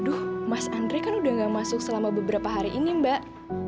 aduh mas andri kan udah gak masuk selama beberapa hari ini mbak